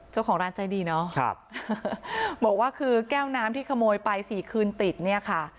เจ้าของร้านใจดีเนาะบอกว่าคือแก้วน้ำที่ขโมยไปสี่คืนติดเนี่ยค่ะ